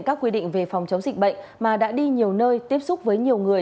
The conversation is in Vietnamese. các quy định về phòng chống dịch bệnh mà đã đi nhiều nơi tiếp xúc với nhiều người